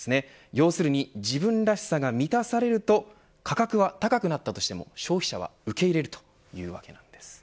要するに自分らしさが満たされると価格は高くなったとしても消費者ば受け入れるというわけなんです。